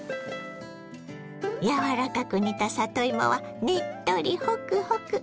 柔らかく煮た里芋はねっとりホクホク。